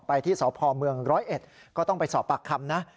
ไปที่สพม๑๐๑ก็ต้องไปสอบปากคำนะ